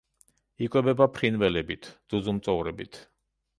იკვებება ფრინველებით, ძუძუმწოვრებით.